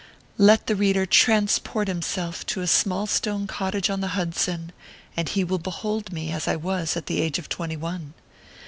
Let the reader transport himself to a small stone cottage on the Hudson, and he will behold me as I was at the age of twenty one.